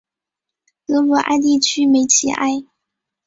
德鲁艾地区梅齐埃。